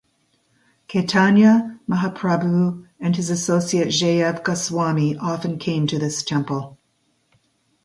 Caitanya Mahaprabhu and his associate Jeev Goswami often came to this temple.